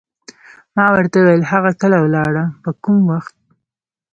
ما ورته وویل: هغه کله ولاړه، په کوم وخت؟